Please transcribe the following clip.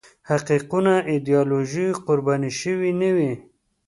حقیقتونه د ایدیالوژیو قرباني شوي نه وي.